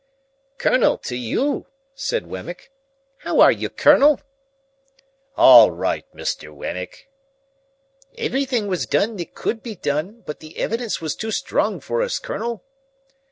"Colonel, to you!" said Wemmick; "how are you, Colonel?" "All right, Mr. Wemmick." "Everything was done that could be done, but the evidence was too strong for us, Colonel."